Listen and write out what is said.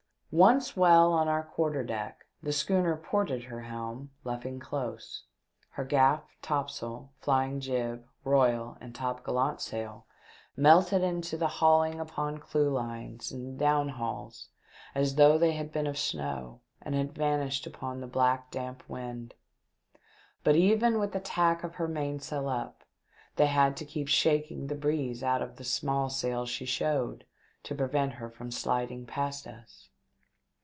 Once well on our weather quarter, the schooner ported her helm, luffing close ; her gaff topsail, flying jib, royal and top gallant sail melted to the hauling upon clew 364 THE DEATH SHIP. lines and downhauls as though they had been of snow and had vanished upon the black damp wind ; but even with the tack of her mainsail up, they had to keep shaking the breeze out of the small sail she showed, to prevent her from sliding past us.